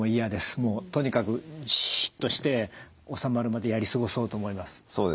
もうとにかくじっとして治まるまでやり過ごそうと思います。